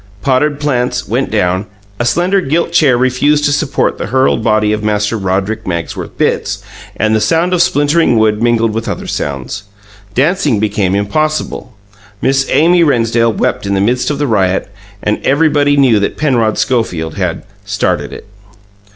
Potted plants went down; a slender gilt chair refused to support the hurled body of Master Roderick Magsworth Bitts, and the sound of splintering wood mingled with other sounds. Dancing became impossible; Miss Amy Rennsdale wept in the midst of the riot, and everybody knew that Penrod Schofield had "started it".